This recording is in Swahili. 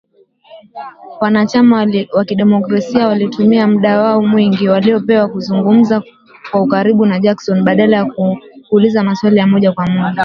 Wana chama wakidemokrasia walitumia muda wao mwingi waliopewa kuzungumza kwa ukaribu na Jackson badala ya kuuliza maswali ya moja kwa moja